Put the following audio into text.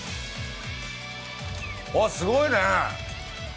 わっ、すごいねえ。